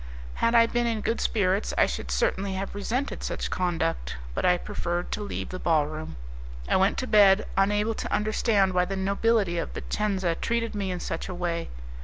Had I been in good spirits I should certainly have resented such conduct, but I preferred to leave the ball room. I went to bed, unable to understand why the nobility of Vicenza treated me in such a way.